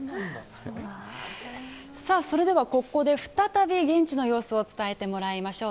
それではここで再び現地の様子を伝えてもらいましょう。